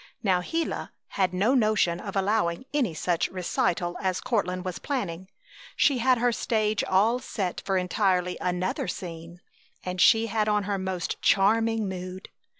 Now Gila had no notion of allowing any such recital as Courtland was planning. She had her stage all set for entirely another scene, and she had on her most charming mood.